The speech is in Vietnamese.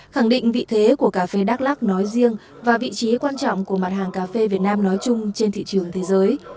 khẳng định vị thế của cà phê đắk lắc nói riêng và vị trí quan trọng của mặt hàng cà phê việt nam nói chung trên thị trường thế giới